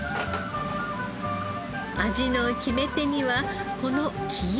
味の決め手にはこの黄色い粉。